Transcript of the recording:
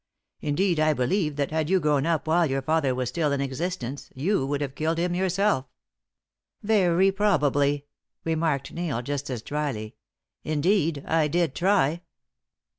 Indeed, I believe that had you grown up while your father was still in existence you would have killed him yourself." "Very probably," remarked Neil, just as drily. "Indeed. I did try!"